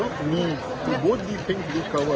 dan kita juga ingin membuat kesempatan yang baik untuk anda